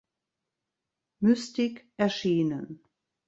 Mystic" erschienen.